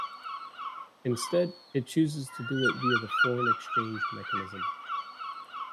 Instead, it chooses to do it via the foreign exchange mechanism.